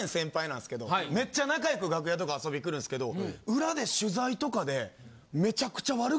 めっちゃ仲良く楽屋とか遊び来るんすけどウラで取材とかで。